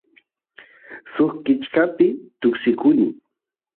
suk kishkapi tuksikuny